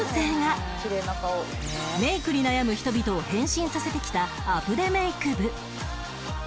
メイクに悩む人々を変身させてきたアプデメイク部